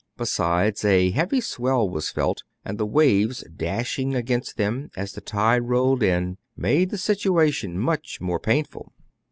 Be sides, a heavy swell was felt ; and the waves dash ing against them, as the tide rolled in, made the situation much more painful.